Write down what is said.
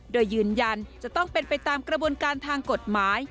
โดยยืนยันจะต้องเป็นไปตามกระบวนการทางกฎหมาย